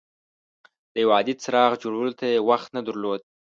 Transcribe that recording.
د یو عادي څراغ جوړولو ته یې وخت نه درلود.